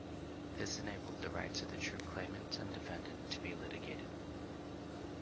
This enabled the rights of the true claimant and defendant to be litigated.